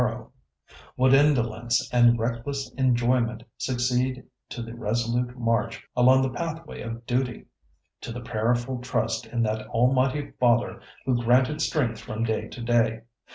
"Would indolence and reckless enjoyment succeed to the resolute march along the pathway of duty, to the prayerful trust in that Almighty Father who granted strength from day to day?